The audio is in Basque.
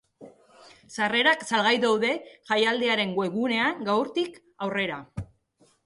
Sarrerak salgai daude jaialdiaren webgunean, gaurtik aurrera.